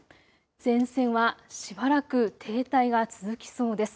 前線はしばらく停滞が続きそうです。